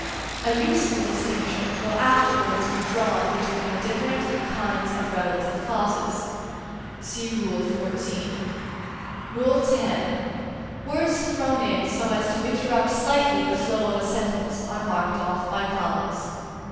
A useful distinction will afterwards be drawn between the different kinds of relative clauses. (Rule XIV.) X. Words thrown in so as to interrupt slightly the flow of a sentence are marked off by commas.